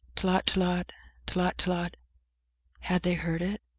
VI Tlot tlot; tlot tlot! Had they heard it?